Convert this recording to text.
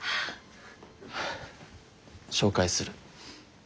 紹介する。